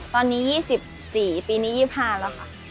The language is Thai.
ตอนนี้๒๔ปีนี้๒๕แล้วค่ะ